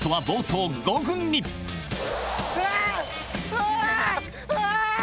うわ！